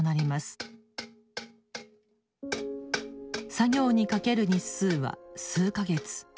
作業にかける日数は数か月。